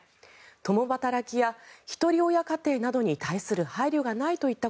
共働きやひとり親家庭などに対する配慮がないなどといった